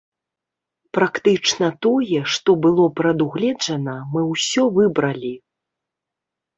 Практычна тое, што было прадугледжана, мы ўсё выбралі.